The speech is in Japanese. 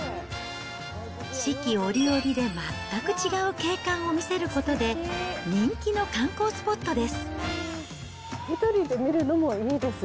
四季折々で全く違う景観を見せることで、人気の観光スポットです１人で見るのもいいです。